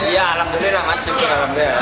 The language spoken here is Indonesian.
ya alhamdulillah mas juga alhamdulillah